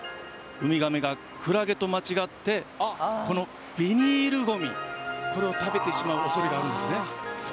ウミガメがクラゲと間違ってこのビニールごみこれを食べてしまうおそれがあるんですね。